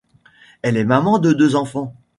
Elle est maman de deux enfants.